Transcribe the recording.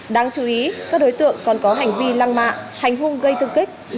đáng chú ý các đối tượng còn có hành vi lăng mạ hành hung gây thương tích